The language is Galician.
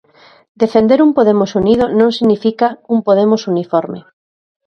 Defender un Podemos unido non significa un Podemos uniforme.